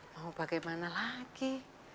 mau bagaimana lagi